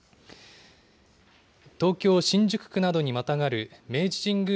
東京・新宿区などにまたがる明治神宮